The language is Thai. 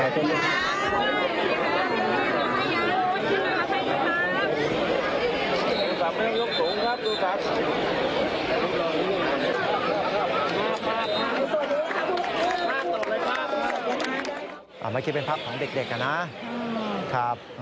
ต่อมาคิดเป็นพักของเด็กนะครับ